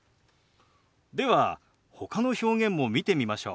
ではほかの表現も見てみましょう。